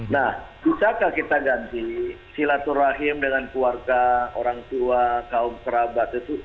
nah bisakah kita ganti silaturahim dengan keluarga orang tua kaum kerabat itu